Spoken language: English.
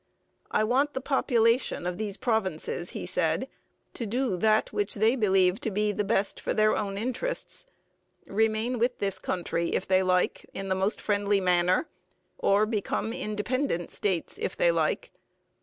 'I want the population of these provinces,' he said, 'to do that which they believe to be the best for their own interests remain with this country if they like, in the most friendly manner, or become independent states if they like.